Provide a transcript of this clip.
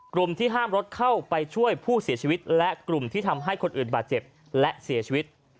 กลุ่มที่ห้ามรถเข้าไปช่วยผู้เสียชีวิตและกลุ่มที่ทำให้คนอื่นบาดเจ็บและเสียชีวิต